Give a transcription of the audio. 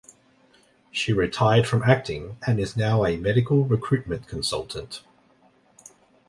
She retired from acting, and is now a medical recruitment consultant.